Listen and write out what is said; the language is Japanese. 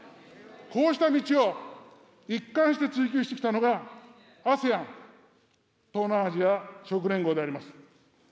こうした道を一貫して追求してきたのが、ＡＳＥＡＮ・東南アジア諸国連合であります。